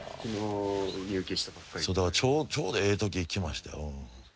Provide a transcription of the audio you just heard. そうだからちょうどええ時来ましたよ。